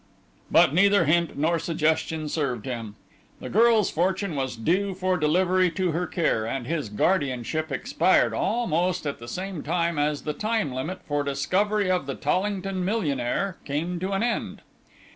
"But neither hint nor suggestion served him. The girl's fortune was due for delivery to her care, and his guardianship expired almost at the same time as the time limit for discovery of the Tollington millionaire came to an end.